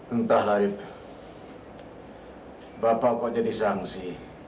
entah larif bapak kok jadi sangsi